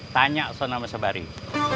tanya soal nama sebaru